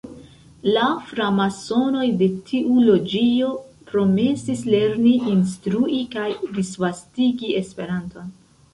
La framasonoj de tiu loĝio promesis lerni, instrui kaj disvastigi Esperanton.